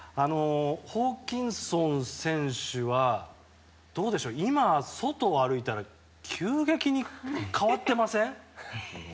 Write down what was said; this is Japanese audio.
ホーキンソン選手は今、外を歩いたら急激に変わってません？